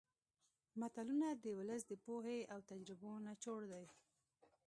متلونه د ولس د پوهې او تجربو نچوړ دي